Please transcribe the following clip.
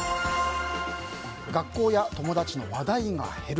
学校や友達の話題が減る。